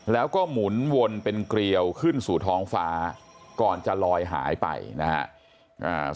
แล้วก็หมุนวนเป็นเกลียวขึ้นสู่ท้องฟ้าก่อนจะลอยหายไปนะครับ